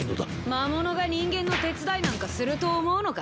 魔物が人間の手伝いなんかすると思うのか？